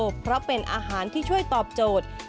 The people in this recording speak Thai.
เพราะเป็นอาหารที่ช่วยตอบโจทย์